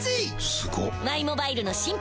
すごっ！